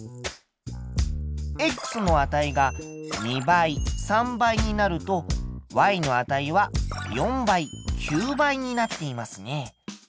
の値が２倍３倍になるとの値は４倍９倍になっていますね。